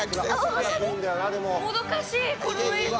もどかしいこのレース！